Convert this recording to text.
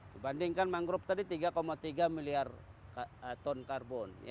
dibandingkan mangrove tadi tiga tiga miliar ton karbon